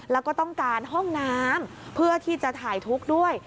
แล้วก็ต้องการห้องน้ำเพื่อที่จะถ่ายทุกข์ด้วย